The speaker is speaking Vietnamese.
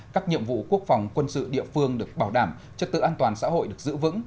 các nhiệm vụ quốc phòng quân sự địa phương được bảo đảm chất tự an toàn xã hội được giữ vững